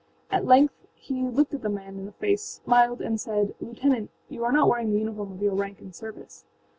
At length he looked the man in the face, smiled and said: âLieutenant, you are not wearing the uniform of your rank and service.